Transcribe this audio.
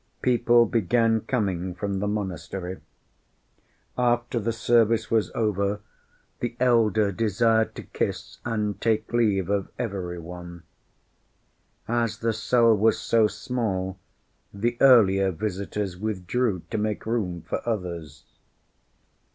People began coming from the monastery. After the service was over the elder desired to kiss and take leave of every one. As the cell was so small the earlier visitors withdrew to make room for others.